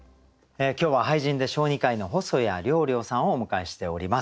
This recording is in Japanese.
今日は俳人で小児科医の細谷喨々さんをお迎えしております。